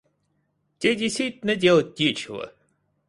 Те действительно делать нечего?